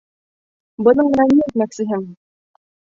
Бының менән ни әйтмәксеһең?